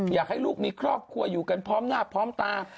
อยากให้ลูกมีครอบครัวอยู่กันพร้อมหน้าพร้อมตา